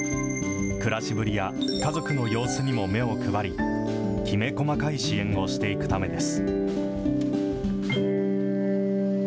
暮らしぶりや家族の様子にも目を配り、きめ細かい支援をしていくためです。